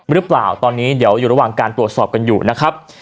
หรือเปล่าตอนนี้เดี๋ยวอยู่ระหว่างการตรวจสอบกันอยู่นะครับ